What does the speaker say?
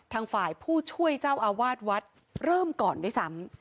ทางฝ่ายผู้ช่วยเจ้าอาวาสวัดเริ่มก่อนด้วยซ้ำ